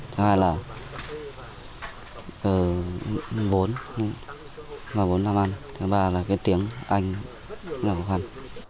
thứ hai là bốn mà bốn năm ăn thứ ba là tiếng anh rất là khó khăn